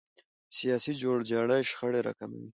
سیاسي جوړجاړی شخړې راکموي